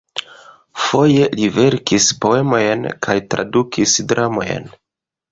Foje li verkis poemojn kaj tradukis dramojn.